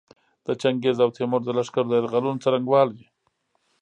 د چنګیز او تیمور د لښکرو د یرغلونو څرنګوالي.